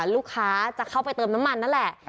ลูกค้าจะเข้าไปเติมน้ำมันนั่นแหละ